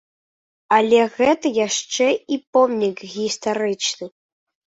Але гэта яшчэ і помнік гістарычны.